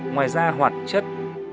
ngoài ra hoạt chất